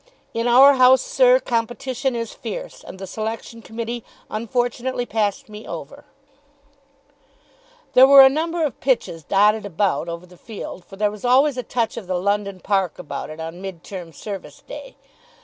"In our house, sir, competition is fierce, and the Selection Committee unfortunately passed me over." There were a number of pitches dotted about over the field, for there was always a touch of the London Park about it on Mid term Service day.